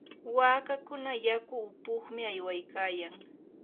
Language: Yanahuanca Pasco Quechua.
waakakuna yaku upuqmi aywaykayan.